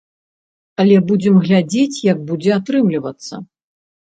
Але будзем глядзець, як будзе атрымлівацца.